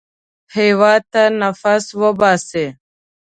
هېواد ته نفس وباسئ